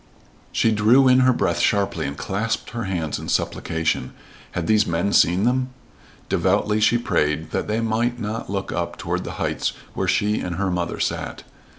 She drew in her breath sharply and clasped her hands in supplication. Had those men seen them? Devoutly she prayed that they might not look up toward the heights where she and her mother sat.